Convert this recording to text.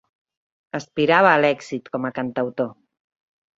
Aspirava a l'èxit com a cantautor.